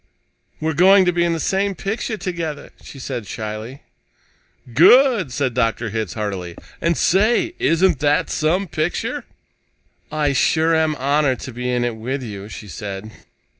"We're going to be in the same picture together," she said shyly. "Good!" said Dr. Hitz heartily. "And, say, isn't that some picture?" "I sure am honored to be in it with you," she said.